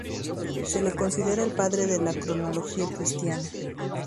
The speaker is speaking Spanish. Se le considera el padre de la cronología cristiana.